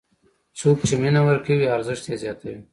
څوک چې مینه ورکوي، ارزښت یې زیاتوي.